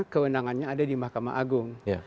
kewenangannya ada di mahkamah agung